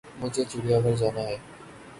مجھے چڑیا گھر جانا ہے